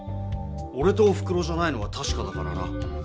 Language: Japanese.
おれとおふくろじゃないのはたしかだからな。